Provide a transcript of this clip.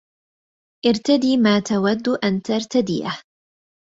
ارتدي ما تود أن ترتديه.